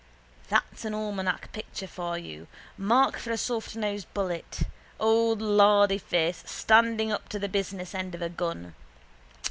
That's an almanac picture for you. Mark for a softnosed bullet. Old lardyface standing up to the business end of a gun.